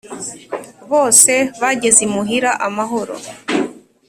Bose Bageze imuhira amahoro